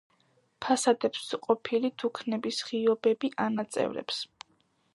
ფასადებს ყოფილი დუქნების ღიობები ანაწევრებს.